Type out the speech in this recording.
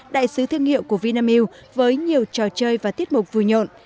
đại sứ thương hiệu của vinamilk với nhiều trò chơi và tiết mục vui nhộn